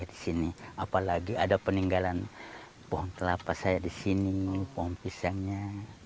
di sini apalagi ada peninggalan pohon kelapa saya di sini pohon pisangnya